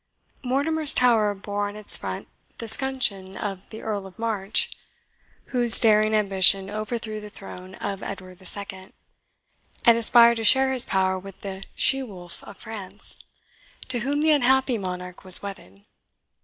Mortimer's Tower bore on its front the scutcheon of the Earl of March, whose daring ambition overthrew the throne of Edward II., and aspired to share his power with the "She wolf of France," to whom the unhappy monarch was wedded.